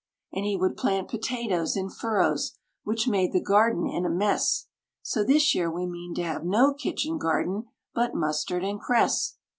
And he would plant potatoes in furrows, which made the garden in a mess, So this year we mean to have no kitchen garden but mustard and cress.